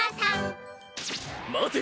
待て！